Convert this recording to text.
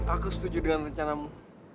aku setuju dengan rencanamu